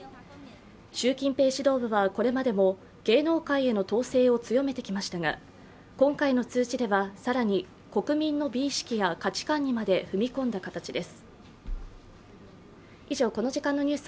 習近平指導部はこれまでも芸能界への統制を強めてきましたが今回の通知では更に国民の美意識や価値観にまで踏み込んだ形です。